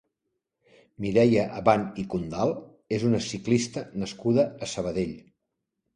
Mireia Abant i Condal és una ciclista nascuda a Sabadell.